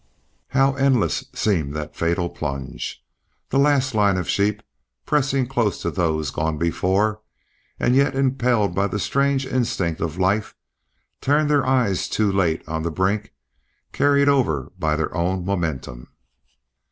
How endless seemed that fatal plunge! The last line of sheep, pressing close to those gone before, and yet impelled by the strange instinct of life, turned their eyes too late on the brink, carried over by their own momentum.